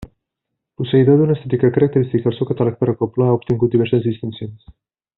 Posseïdor d'una estètica característica, el seu catàleg per a cobla ha obtingut diverses distincions.